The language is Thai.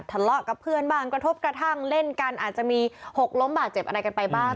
ทะเลาะกับเพื่อนบ้างกระทบกระทั่งเล่นกันอาจจะมีหกล้มบาดเจ็บอะไรกันไปบ้าง